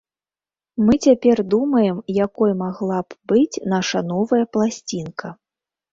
Мы цяпер думаем, якой магла б быць наша новая пласцінка.